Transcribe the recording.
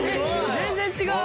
全然違う。